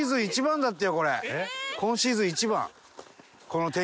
今シーズン一番。